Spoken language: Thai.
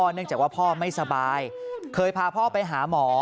เนื่องจากว่าพ่อไม่สบายเคยพาพ่อไปหาหมอ